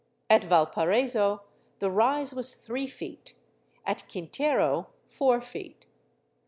At Valparaiso, the rise was three feet; at Quintero, four feet.